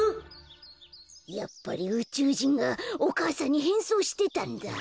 やっぱりうちゅうじんがお母さんにへんそうしてたんだ。